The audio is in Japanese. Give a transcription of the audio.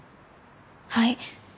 はい。